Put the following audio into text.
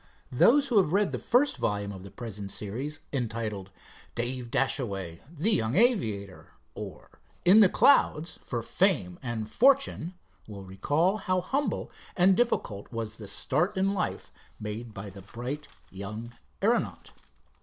Those who have read the first volume of the present series, entitled, "Dave Dashaway, the Young Aviator; Or, In the Clouds for Fame and Fortune," will recall how humble and difficult was the start in life made by the bright young aeronaut.